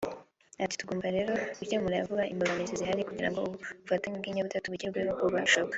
Ati “Tugomba rero gukemura vuba imbogamizi zihari kugira ngo ubu bufatanye bw’inyabutatu bugerweho vuba bishoboka